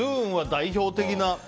代表的な。